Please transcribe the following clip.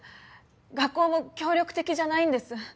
学校も協力的じゃないんです。